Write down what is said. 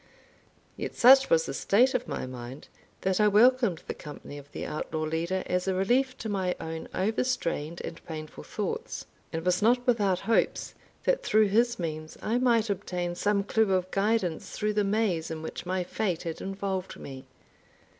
Yet such was the state of my mind, that I welcomed the company of the outlaw leader as a relief to my own overstrained and painful thoughts; and was not without hopes that through his means I might obtain some clew of guidance through the maze in which my fate had involved me.